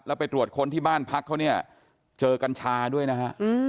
แล้วไปตรวจคนที่บ้านพักเขาเจอกันชาด้วยนะครับ